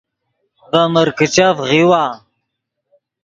ڤے مرکیچف غیؤوا